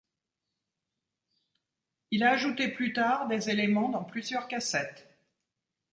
Il ajouté plus tard des éléments dans plusieurs cassettes.